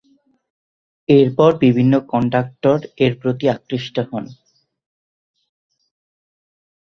এরপর বিভিন্ন কন্ডাক্টর এর প্রতি আকৃষ্ট হন।